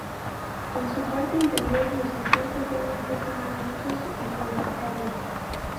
En su parte interior los asientos son un poco más anchos y confortables.